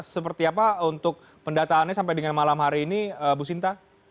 seperti apa untuk pendataannya sampai dengan malam hari ini bu sinta